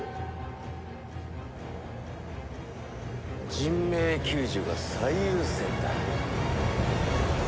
人命救助が最優先だ。